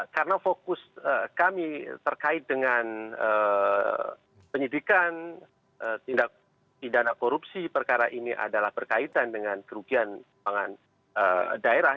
karena fokus kami terkait dengan penyidikan tindak korupsi perkara ini adalah berkaitan dengan kerugian keuangan daerah